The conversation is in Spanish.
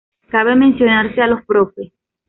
Cabe mencionarse a los Prof.